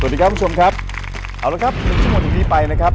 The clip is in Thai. สวัสดีครับผู้ชมครับเอาละครับ๑ชั่วโมงตรงนี้ไปนะครับ